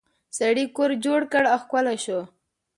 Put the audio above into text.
سړي کور جوړ کړ او ښکلی شو.